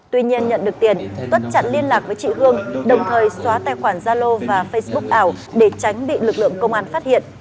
tuy nhiên nhận được tiền tuất chặn liên lạc với chị hương đồng thời xóa tài khoản gia lô và facebook ảo để tránh bị lực lượng công an phát hiện